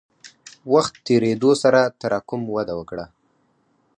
وخت تېرېدو سره تراکم وده وکړه.